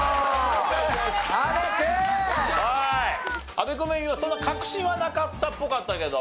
阿部君も今そんな確信はなかったっぽかったけど。